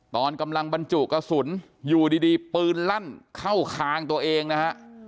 ตอนกำลังบรรจุกระสุนอยู่ดีปืนลั่นเข้าคางตัวเองนะฮะ